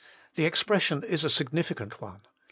The expression is a sig nificant one.